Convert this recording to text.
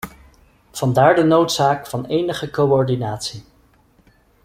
Vandaar de noodzaak van enige coördinatie.